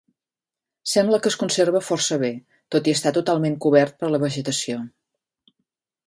Sembla que es conserva força bé tot i estar totalment cobert per la vegetació.